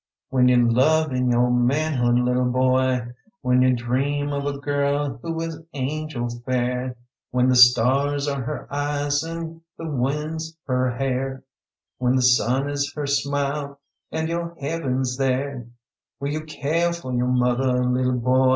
"When y'u love in yo' manhood, little boy, When y'u dream of a girl who is angel fair, When the stars are her eyes, and the winds her hair, When the sun is her smile, and yo' heaven's there, Will y'u care fo' yo' motheh, lillie boy?"